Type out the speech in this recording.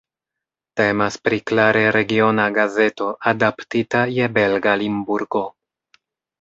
Temas pri klare regiona gazeto, adaptita je belga Limburgo.